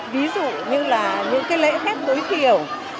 ví dụ như là những cái lễ phép tối thiểu